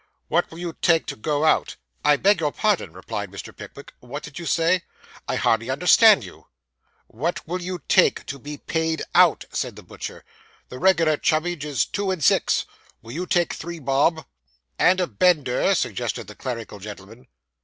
'What will you take to go out?' I beg your pardon,' replied Mr. Pickwick. 'What did you say? I hardly understand you.' 'What will you take to be paid out?' said the butcher. 'The regular chummage is two and six. Will you take three bob?' 'And a bender,' suggested the clerical gentleman.